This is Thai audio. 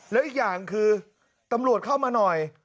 แล้วอีกอย่างคือตำรวจเข้ามาหน่อย